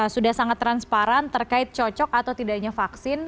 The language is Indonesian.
sudah sangat transparan terkait cocok atau tidaknya vaksin